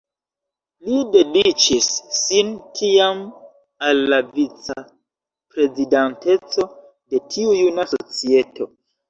Li dediĉis sin tiam al la vica-prezidanteco de tiu juna societo.